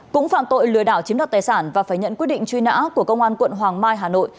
cũng phạm tội lừa đảo chiếm đoạt tài sản và phải nhận quyết định truy nã của công an quận hoàng mai hà nội